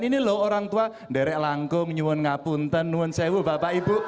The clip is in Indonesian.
ini loh orang tua